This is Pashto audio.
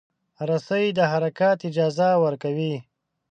رسۍ د حرکت اجازه ورکوي.